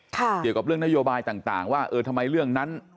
เกี่ยวกับเรื่องนโยบายต่างว่าเออทำไมเรื่องนั้น